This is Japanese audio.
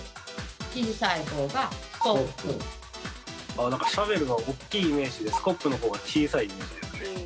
あ何かシャベルがおっきいイメージでスコップの方が小さいイメージ。